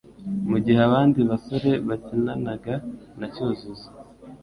Mu gihe abandi basore bakinanaga na Cyuzuzo